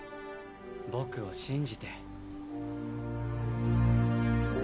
僕を信じて。